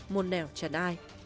môn nèo chẳng ai